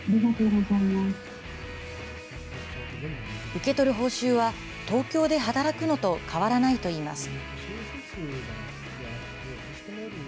受け取る報酬は、東京で働くのと変わらないといいます。